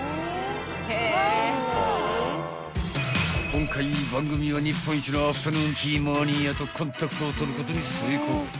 ［今回番組は日本一のアフタヌーンティーマニアとコンタクトを取ることに成功］